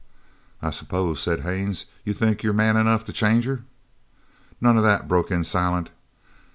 "I suppose," said Haines, "you think you're man enough to change her?" "None of that!" broke in Silent.